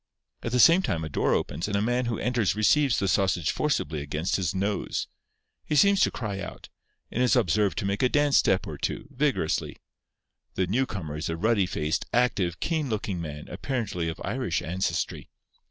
At the same time a door opens, and a man who enters receives the sausage forcibly against his nose. He seems to cry out; and is observed to make a dance step or two, vigorously. The newcomer is a ruddy faced, active, keen looking man, apparently of Irish ancestry.